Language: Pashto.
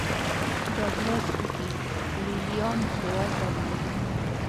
ډاګلاس لیکي لې لیان بېوزله دي.